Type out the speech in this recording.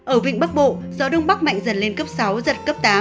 ở vịnh bắc bộ gió đông bắc mạnh dần lên cấp sáu giật cấp tám